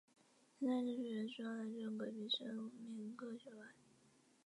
生态池水源主要来自隔壁的生命科学馆。